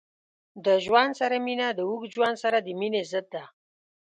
د ژوند سره مینه د اوږد ژوند سره د مینې ضد ده.